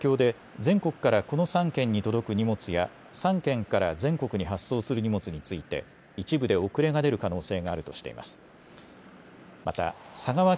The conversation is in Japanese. その影響で、全国からこの３県に届く荷物や３県から全国に発送する荷物について一部で遅れが出る可能性があるとしています。